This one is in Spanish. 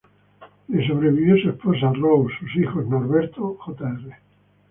Le sobrevivió su esposa, Rose, sus hijos Norbert Jr.